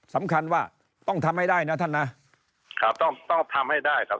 สำคัญว่าต้องทำให้ได้นะท่านนะครับต้องต้องทำให้ได้ครับ